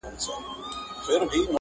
د زمان په لاس کي اوړمه زمولېږم؛